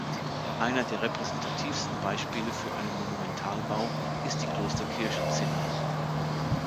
Eines der repräsentativsten Beispiele für einen Monumentalbau ist die Klosterkirche Zinna.